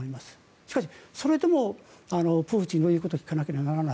しかし、それでもプーチンのいうことを聞かなければならない。